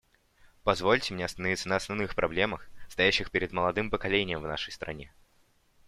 Позвольте мне остановиться на основных проблемах, стоящих перед молодым поколением в нашей стране.